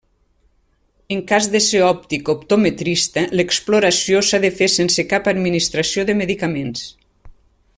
En cas de ser òptic optometrista, l'exploració s'ha de fer sense cap administració de medicaments.